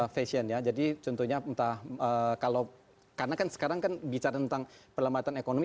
fashion ya jadi contohnya entah kalau karena kan sekarang kan bicara tentang perlambatan ekonomi